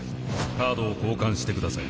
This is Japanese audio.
カードを交換してください。